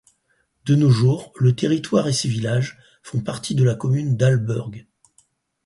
De nos jours, le territoire et ses villages font partie de la commune d'Aalburg.